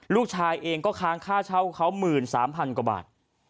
ลูกชายเองก็ค้างค่าเช่าเขา๑๓๐๐๐กว่าบาท